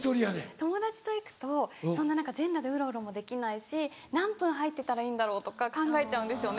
友達と行くとそんな何か全裸でうろうろもできないし何分入ってたらいいんだろうとか考えちゃうんですよね。